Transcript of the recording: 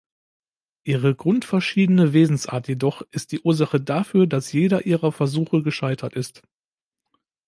Ihre grundverschiedene Wesensart jedoch ist die Ursache dafür, dass jeder ihrer Versuche gescheitert ist.